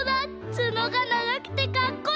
ツノがながくてかっこいい！